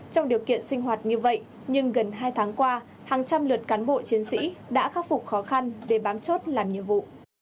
trong điều kiện sinh hoạt như vậy nhưng gần hai tháng qua hàng trăm lượt cán bộ chiến sĩ đã khắc phục khó khăn để bám chốt làm nhiệm vụ